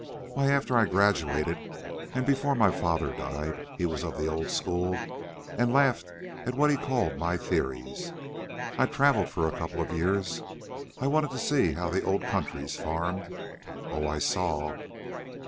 Why, after I graduated, and before my father died he was of the old school and laughed at what he called my theories I traveled for a couple of years. I wanted to see how the old countries farmed. Oh, I saw.